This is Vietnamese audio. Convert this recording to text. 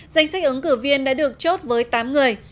danh sách ứng cử viên đã được chốt với tám người